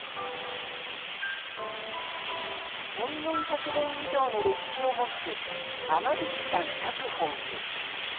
１，４００年以上の歴史を持つ雨引山楽法寺。